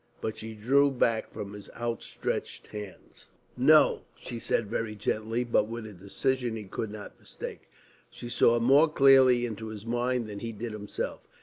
But she drew back from his outstretched hands. "No," she said very gently, but with a decision he could not mistake. She saw more clearly into his mind than he did himself.